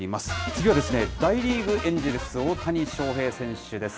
次は大リーグ・エンジェルス、大谷翔平選手です。